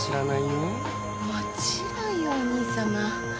もちろんよお兄さま。